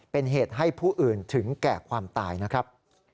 เป็นเหตุให้ผู้อื่นถึงแก่ความตายนะครับ